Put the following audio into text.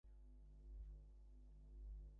খেলা লইয়া কথা-নাই বা হইল বিন্তি দেখানো!